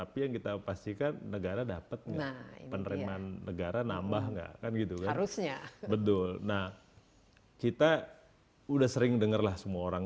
perempuan negara nambah nggak kan gitu harusnya betul nah kita udah sering dengerlah semua orang